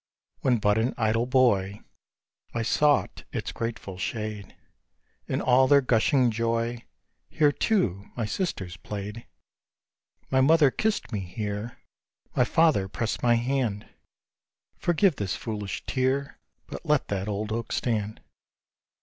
When but an idle boy, I sought its grateful shade; In all their gushing joy Here, too, my sisters played. My mother kissed me here; My father pressed my hand Forgive this foolish tear, But let that old oak stand.